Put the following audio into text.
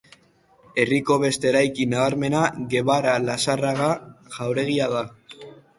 Herriko beste eraikin nabarmena Gebara-Lazarraga jauregia da.